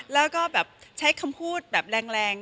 แล้วก็ใช้คำพูดแรง